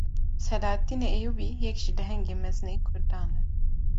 Seleheddînê Eyyûbî, yek ji lehengên mezinên Kurdan e